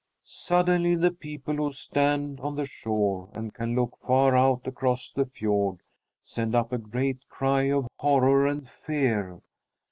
Suddenly the people who stand on the shore and can look far out across the fiord send up a great cry of horror and fear.